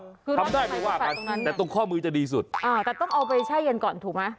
คือทำได้ไม่ว่ากันแต่ตรงข้อมือจะดีสุดอ่าแต่ต้องเอาไปแช่เย็นก่อนถูกไหม